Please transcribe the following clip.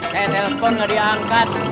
kayak telepon gak diangkat